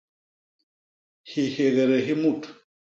Hihégdé hi mut.